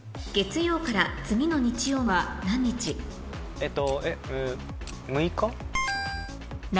えっと。